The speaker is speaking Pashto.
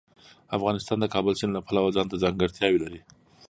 افغانستان د کابل سیند له پلوه ځانته ځانګړتیاوې لري.